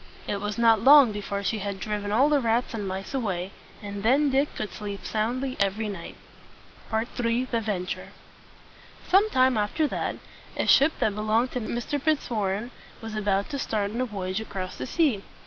It was not long before she had driven all the rats and mice away; and then Dick could sleep soundly every night. III. THE VENTURE. Some time after that, a ship that belonged to Mr. Fitzwarren was about to start on a voyage across the sea.